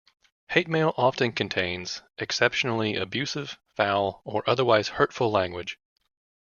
Hate mail often contains exceptionally abusive, foul or otherwise hurtful language.